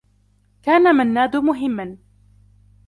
كان منّاد مهمّا.